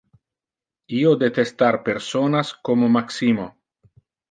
Io detestar personas como Maximo.